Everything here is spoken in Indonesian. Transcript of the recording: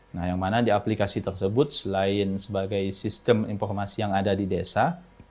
nah yang mana di aplikasi tersebut selain sebagai sistem informasi yang ada di desa